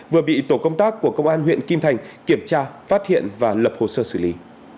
vừa bị tổ công tác của công an huyện kim thành kiểm tra phát hiện và lập hồ sơ xử lý